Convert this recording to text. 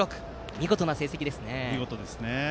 見事な成績ですね。